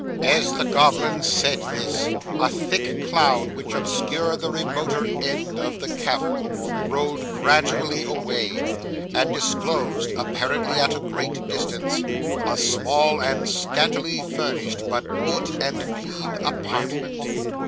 'As the goblin said this, a thick cloud which obscured the remoter end of the cavern rolled gradually away, and disclosed, apparently at a great distance, a small and scantily furnished, but neat and clean apartment.